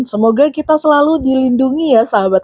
semoga kita selalu dilindungi ya sahabat